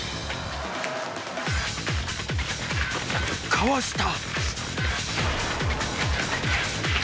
［かわした］